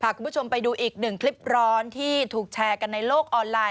คุณผู้ชมไปดูอีกหนึ่งคลิปร้อนที่ถูกแชร์กันในโลกออนไลน